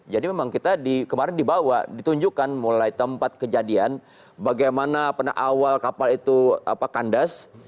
jadi memang kita di kemarin dibawa ditunjukkan mulai tempat kejadian bagaimana pernah awal kapal itu apa kandas